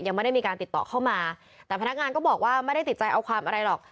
ยังไม่ได้มีการติดต่อเข้ามาแต่พนักงานก็บอกว่าไม่ได้ติดใจเอาความอะไรหรอก